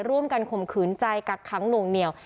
ร่วมกันข่มขืนใจกักขังหลวงเหนียว